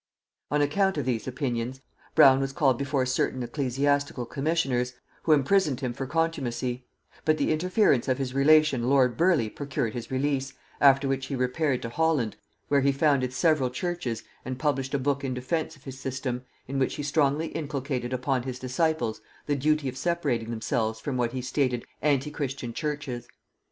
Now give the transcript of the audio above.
On account of these opinions Brown was called before certain ecclesiastical commissioners, who imprisoned him for contumacy; but the interference of his relation lord Burleigh procured his release, after which he repaired to Holland, where he founded several churches and published a book in defence of his system, in which he strongly inculcated upon his disciples the duty of separating themselves from what he stated antichristian churches.